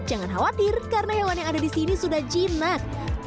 jangan khawatir karena hewan yang ada di sini sudah jinak